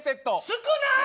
少ない！